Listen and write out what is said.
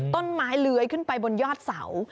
ต้นไม้เลื้อยขึ้นไปบนยอดเสา